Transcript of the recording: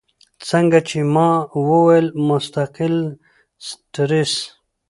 څنګه چې ما اووې مستقل سټرېس ،